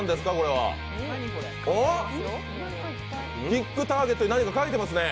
キックターゲットに何か書いてますね。